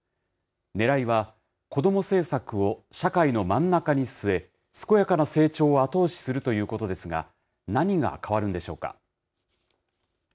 ねらいは、子ども政策を社会の真ん中に据え、健やかな成長を後押しするということですが、何が変わるんでしょうか。